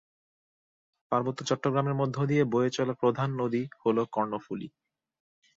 পার্বত্য চট্টগ্রামের মধ্য দিয়ে বয়ে চলা প্রধান নদী হল কর্ণফুলী।